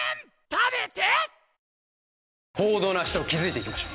食べて！